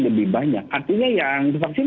lebih banyak artinya yang divaksin